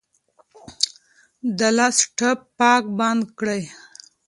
د لاس ټپ پاک بند کړئ.